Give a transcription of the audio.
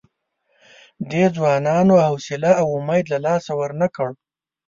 دې ځوانانو حوصله او امید له لاسه ورنه کړ.